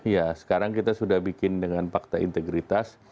ya sekarang kita sudah bikin dengan fakta integritas